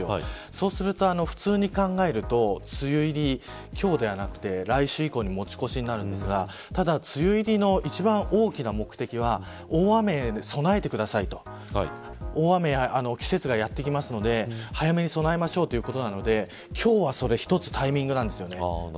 そうすると、普通に考えると梅雨入りは今日ではなくて来週以降に持ち越しになりますがただ、梅雨入りの一番大きな目的は大雨に備えてくださいと大雨の季節がやってくるので早めに備えましょうということで今日はそれ一つのタイミングなんです。